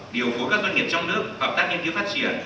điều phối các doanh nghiệp trong nước hợp tác nghiên cứu phát triển